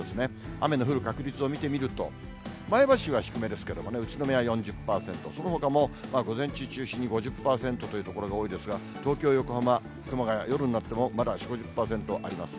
雨の降る確率を見てみると、前橋は低めですけども、宇都宮４０％、そのほかも午前中中心に５０％という所が多いですが、東京、横浜、雲が夜になっても、まだ４、５０％あります。